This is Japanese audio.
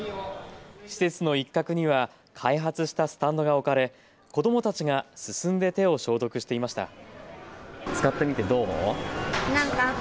施設の一角には開発したスタンドが置かれ子どもたちがすすんで手を消毒していました。